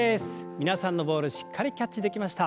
皆さんのボールしっかりキャッチできました。